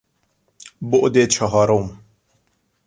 بعد چهارم